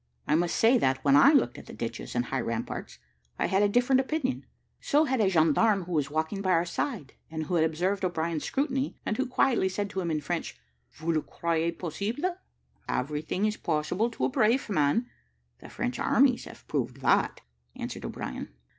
I must say that, when I looked at the ditches and high ramparts, I had a different opinion; so had a gendarme who was walking by our side, and who had observed O'Brien's scrutiny, and who quietly said to him in French, "Vous le croyez possible?" "Everything is possible to a brave man the French armies have proved that," answered O'Brien.